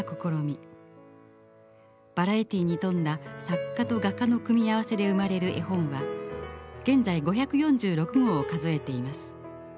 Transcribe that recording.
バラエティーに富んだ作家と画家の組み合わせで生まれる絵本は現在５４６号を数えています。